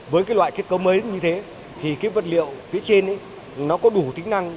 với cái loại kết cấu mới như thế thì cái vật liệu phía trên ấy nó có đủ tính năng